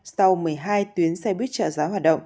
sau một mươi hai tuyến xe buýt trợ giá hoạt động